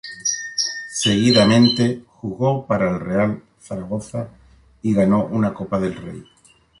Seguidamente jugó para el Real Zaragoza y ganó una Copa del Rey.